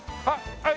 はい。